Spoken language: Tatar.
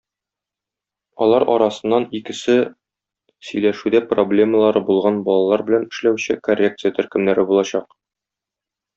Алар арасыннан икесе сөйләшүдә проблемалары булган балалар белән эшләүче коррекция төркемнәре булачак.